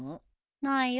ないよ。